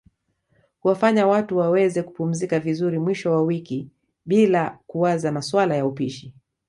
kuwafanya watu waweze kupumzika vizuri mwisho wa wiki bilaa kuwaza masuala ya upishi